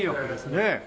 ねえ。